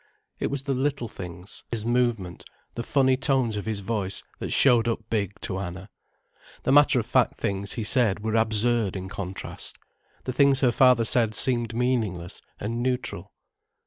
It was the little things, his movement, the funny tones of his voice, that showed up big to Anna. The matter of fact things he said were absurd in contrast. The things her father said seemed meaningless and neutral.